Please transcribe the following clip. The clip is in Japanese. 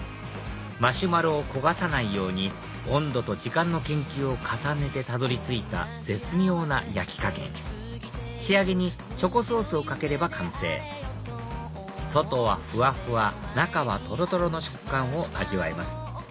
マシュマロを焦がさないように温度と時間の研究を重ねてたどり着いた絶妙な焼き加減仕上げにチョコソースをかければ完成外はふわふわ中はとろとろの食感を味わえます